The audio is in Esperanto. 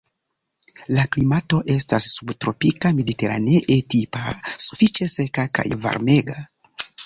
La klimato estas subtropika mediterane-tipa, sufiĉe seka kaj varmega.